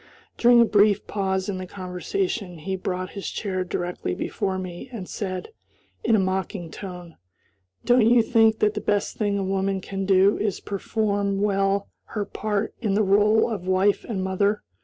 During a brief pause in the conversation he brought his chair directly before me and said, in a mocking tone, "Don't you think that the best thing a woman can do is to perform well her part in the role of wife and mother?